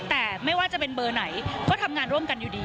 แต่ไม่ว่าจะเป็นเบอร์ไหนก็ทำงานร่วมกันอยู่ดี